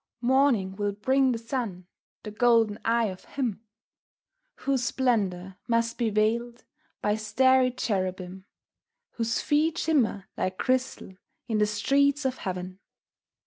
Morning will bring the sun, the Golden Eye of Him Whose splendour must be veiled by starry cherubim, Whose Feet shimmer like crystal in the streets of Heaven.